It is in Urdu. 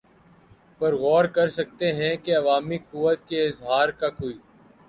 پر غور کر سکتے ہیں کہ عوامی قوت کے اظہار کا کوئی